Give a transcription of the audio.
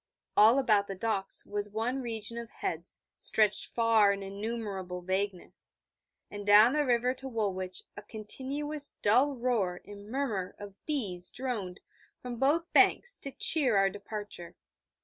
All about the docks was one region of heads stretched far in innumerable vagueness, and down the river to Woolwich a continuous dull roar and murmur of bees droned from both banks to cheer our departure.